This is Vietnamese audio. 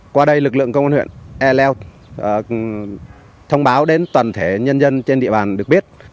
qua đây lực lượng công an huyện e leo thông báo đến toàn thể nhân dân trên địa bàn được biết